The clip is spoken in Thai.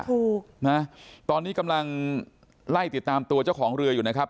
ถูกนะตอนนี้กำลังไล่ติดตามตัวเจ้าของเรืออยู่นะครับ